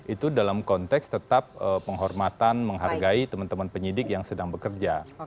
itu dalam konteks tetap penghormatan menghargai teman teman penyidik yang sedang bekerja